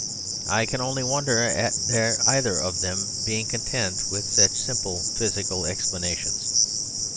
I can only wonder at their either of them being content with such simple physical explanations.